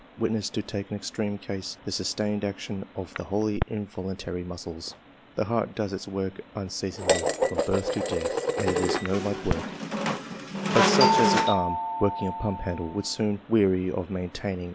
Witness, to take an extreme case, the sustained action of the wholly involuntary musclea The heart does its work unceasingly, from birth to death ; and it is no light work, but such as the arm, working a pump handle, would soon weary of maintaining ; M4 BNGLISH MBN OF SCIENCE. [chap.